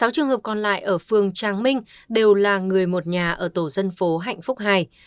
sáu trường hợp còn lại ở phường tràng minh đều là người một nhà ở tổ dân phố hạnh phúc hai